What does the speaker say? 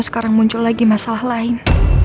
sekarang muncul lagi masalah lain